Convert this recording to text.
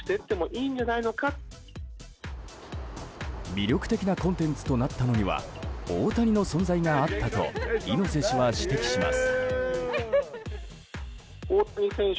魅力的なコンテンツとなったのには大谷の存在があったと猪瀬氏は指摘します。